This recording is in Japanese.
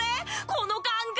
この感覚！